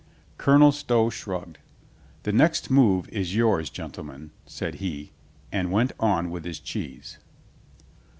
Colonel Stow shrugged. "The next move is yours, gentlemen," said he, and went on with his cheese.